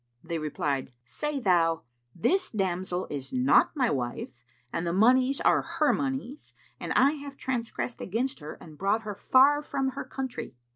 They replied, "Say thou, 'This damsel is not my wife and the monies are her monies, and I have transgressed against her and brought her far from her country.'"